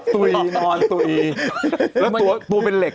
ตุ๋ยนอนตุ๋ยแล้วตัวเป็นเหล็ก